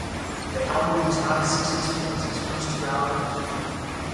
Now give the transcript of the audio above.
The album was not as successful as his first two albums.